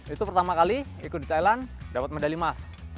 itu pertama kali ikut di thailand dapat medali emas